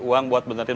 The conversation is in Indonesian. lu jangan super gokang